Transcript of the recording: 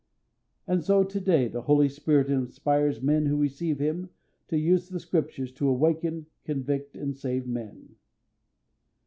And so to day the Holy Spirit inspires men who receive Him to use the Scriptures to awaken, convict, and save men.